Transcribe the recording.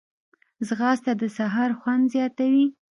ځغاسته د سهار خوند زیاتوي